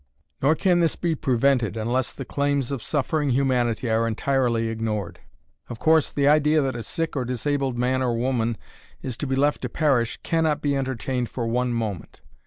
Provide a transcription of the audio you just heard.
Nor can this be prevented unless the claims of suffering humanity are entirely ignored. Of course, the idea that a sick or disabled man or woman is to be left to perish can not be entertained for one moment.